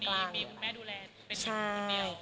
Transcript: มีคุณแม่ดูแลเป็นคนเดียว